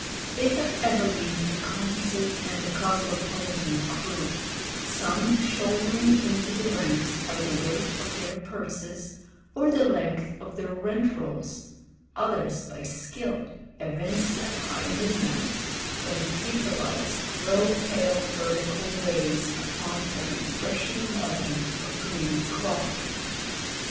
They have ever been a composite and a cosmopolitan crew, some shouldering into the ranks by the weight of their purses or the length of their rent rolls, others by skill evinced at high midnight, when taper lights throw pale vertical rays upon a refreshing margent of green cloth.